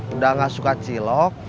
udah gak suka cilok